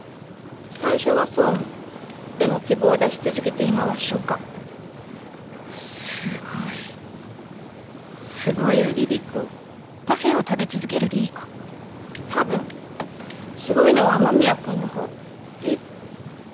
最初は総務でも希望出し続けて今は秘書課すごいすごいよリリ子多分すごいのは雨宮君のほうえっ？